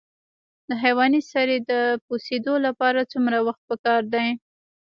د حیواني سرې د پوسیدو لپاره څومره وخت پکار دی؟